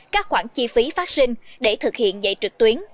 các khoản chi phí phát sinh để thực hiện dạy trực tuyến